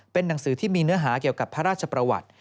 เป็นหนังสือที่มีเนื้อหาเกี่ยวกับพระราชประวัติ